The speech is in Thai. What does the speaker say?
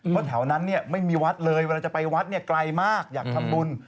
เพราะแถวนั้นไม่มีวัดเลยเวลาจะไปวัดไกลมากอยากทำบุญ